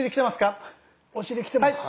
お尻きてますか？